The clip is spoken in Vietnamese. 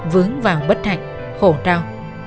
vướng vào bất hạnh khổ đau